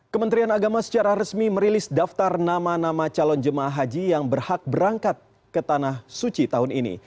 kementerian agama secara resmi merilis daftar nama nama calon jemaah haji yang berhak berangkat ke tanah suci tahun ini